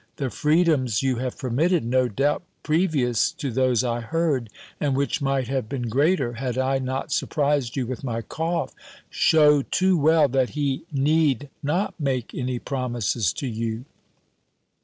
The freedoms you have permitted, no doubt, previous to those I heard, and which might have been greater, had I not surprised you with my cough, shew too well, that he need not make any promises to you."